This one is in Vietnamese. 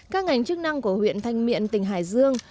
các ngành chức năng của huyện thanh miện tỉnh hải dương